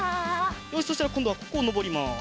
よしそしたらこんどはここをのぼります。